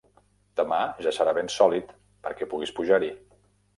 Demà ja serà ben sòlid perquè puguis pujar-hi.